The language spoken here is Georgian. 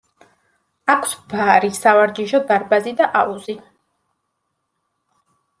აქვს ბარი, სავარჯიშო დარბაზი და აუზი.